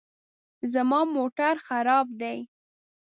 زما موټر خراب دی